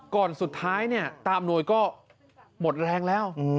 ก่อนสุดท้ายเนี่ยตาอำนวยก็หมดแรงแล้ว